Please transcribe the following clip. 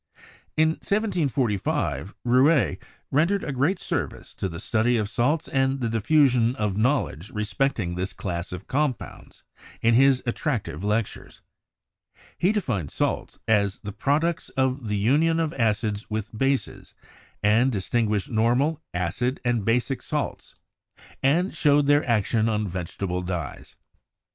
In 1745, Rouelle rendered a great service to the study of salts and the diffusion of knowledge respecting this class of compounds in his attractive lectures. He defined salts as the products of the union of acids with bases, and distinguished normal, acid and basic salts, and showed 136 CHEMISTRY their action on vegetable dyes.